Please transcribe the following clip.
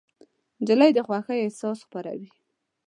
نجلۍ د خوښۍ احساس خپروي.